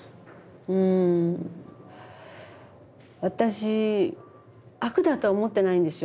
うん私悪だとは思ってないんですよ